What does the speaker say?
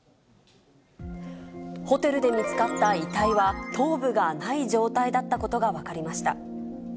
ホテルで見つかった遺体は、頭部がない状態だったことが分かりました。